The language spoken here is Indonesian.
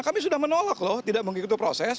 kami sudah menolak loh tidak mengikuti proses